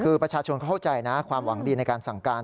คือประชาชนเข้าใจนะความหวังดีในการสั่งการ